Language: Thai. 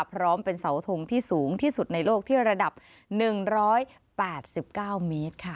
พร้อมเป็นเสาทงที่สูงที่สุดในโลกที่ระดับ๑๘๙เมตรค่ะ